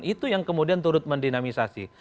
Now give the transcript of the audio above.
itu yang kemudian turut mendinamisasi